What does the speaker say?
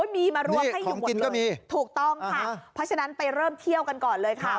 มีมารวมให้อยู่กินก็มีถูกต้องค่ะเพราะฉะนั้นไปเริ่มเที่ยวกันก่อนเลยค่ะ